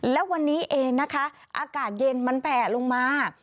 และวันนี้เองนะคะอากาศเย็นมันแผ่ลงมา